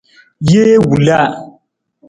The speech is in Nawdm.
Jee wila.